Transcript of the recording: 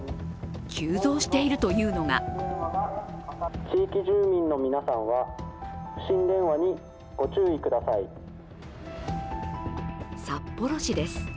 急増しているというのが札幌市です。